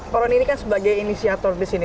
para orang ini kan sebagai inisiator di sini